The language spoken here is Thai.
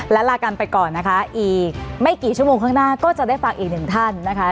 และลากันไปก่อนนะคะอีกไม่กี่ชั่วโมงข้างหน้าก็จะได้ฟังอีกหนึ่งท่านนะคะ